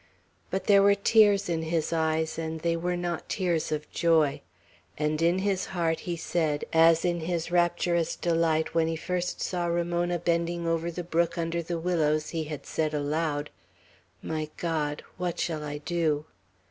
But there were tears in his eyes, and they were not tears of joy; and in his heart he said, as in his rapturous delight when he first saw Ramona bending over the brook under the willows he had said aloud, "My God! what shall I do!"